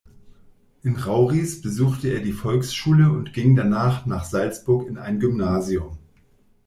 In Rauris besuchte er die Volksschule und ging danach nach Salzburg in ein Gymnasium.